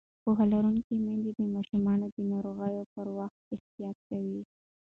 پوهه لرونکې میندې د ماشومانو د ناروغۍ پر وخت احتیاط کوي.